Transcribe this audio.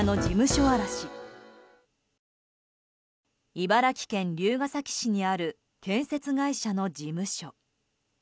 茨城県龍ケ崎市にある建設会社の事務所。